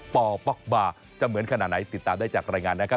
ปป๊อกบาร์จะเหมือนขนาดไหนติดตามได้จากรายงานนะครับ